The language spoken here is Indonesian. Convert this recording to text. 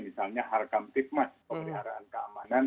misalnya harkam tipmas pemeliharaan keamanan